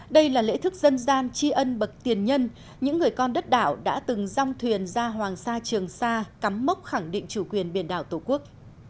đây là lễ thức dân gian tri ân bậc tiền nhân những người con đất đảo đã từng rong thuyền ra hoàng sa trường sa cắm mốc khẳng định chủ quyền biển đảo tổ quốc